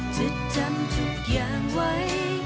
จะจำทุกอย่างไว้